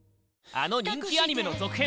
あの人気アニメの続編